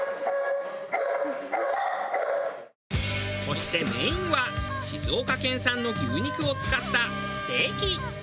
そしてメインは静岡県産の牛肉を使ったステーキ。